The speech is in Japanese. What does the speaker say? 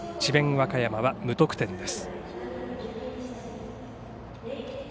和歌山は無得点です。